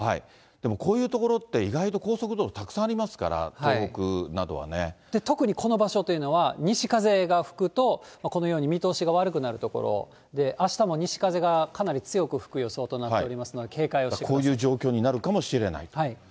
でもこういう所って意外と高速道路、たくさんありますから、東北特にこの場所というのは、西風が吹くと、このように見通しが悪くなる所で、あしたも西風がかなり強く吹く予想となっておりますので、警戒をこういう状況になるかもしれないと。